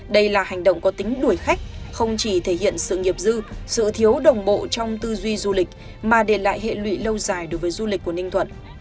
đây là hành động có tính đuổi khách không chỉ thể hiện sự nghiệp dư sự thiếu đồng bộ trong tư duy du lịch mà để lại hệ lụy lâu dài đối với du lịch của ninh thuận